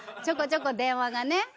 ちょこちょこ電話がね